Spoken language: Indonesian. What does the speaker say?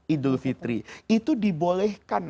idul fitri itu dibolehkan